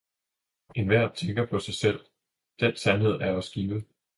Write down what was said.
Enhver kun tænker på sig selv, den sandhed er os givet